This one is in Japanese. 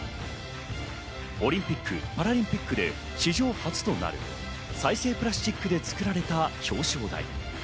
オリンピック・パラリンピックで史上初となる再生プラスチックで作られた表彰台。